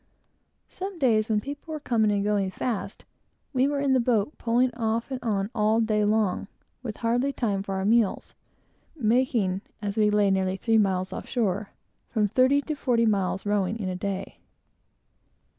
Some days, when people were coming and going fast, we were in the boat, pulling off and on, all day long, with hardly time for our meals; making, as we lay nearly three miles from shore, from forty to fifty miles' rowing in a day.